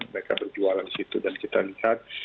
mereka berjualan di situ dan kita lihat